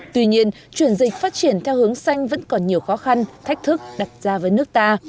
tuy nhiên chuyển dịch phát triển theo hướng xanh vẫn còn nhiều khó khăn thách thức đặt ra với nước ta